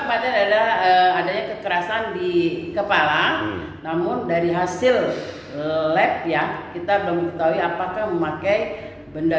kematian adalah adanya kekerasan di kepala namun dari hasil lab ya kita belum ketahui apakah memakai benda